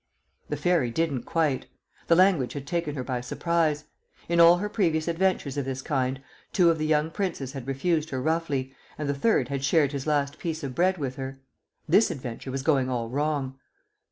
The Fairy didn't quite. The language had taken her by surprise. In all her previous adventures of this kind, two of the young Princes had refused her roughly, and the third had shared his last piece of bread with her. This adventure was going all wrong.